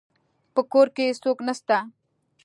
په کور کي څوک نسته